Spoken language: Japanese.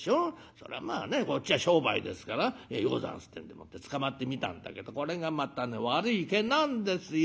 そらまあねこっちは商売ですから『ようござんす』ってんでもってつかまってみたんだけどこれがまた悪い毛なんですよ。